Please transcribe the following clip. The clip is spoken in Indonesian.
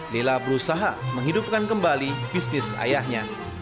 lila berusaha menghidupkan kembali bisnis ayahnya